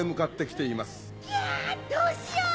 キャどうしよう！